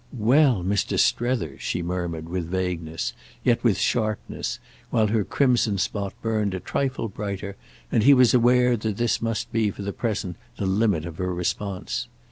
"Well, Mr. Strether—!" she murmured with vagueness, yet with sharpness, while her crimson spot burned a trifle brighter and he was aware that this must be for the present the limit of her response.